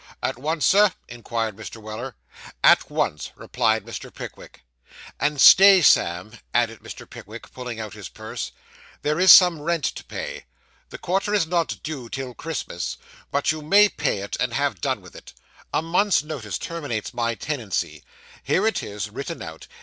'At once, Sir?' inquired Mr. Weller. 'At once,' replied Mr. Pickwick. 'And stay, Sam,' added Mr. Pickwick, pulling out his purse, 'there is some rent to pay. The quarter is not due till Christmas, but you may pay it, and have done with it. A month's notice terminates my tenancy. Here it is, written out.